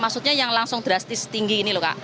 maksudnya yang langsung drastis tinggi ini loh kak